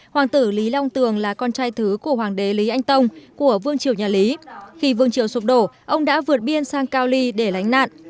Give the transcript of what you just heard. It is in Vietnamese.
hoàng tử lý long tường là con trai thứ của hoàng đế lý anh tông của vương triều nhà lý khi vương triều sụp đổ ông đã vượt biên sang cao ly để lánh nạn